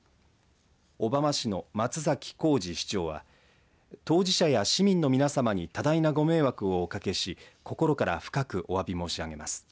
小浜市の松崎晃治市長は当事者や市民の皆様に多大なご迷惑をおかけし心から深くおわび申し上げます。